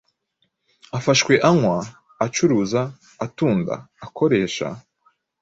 Afashwe anywa, acuruza, atunda, akoresha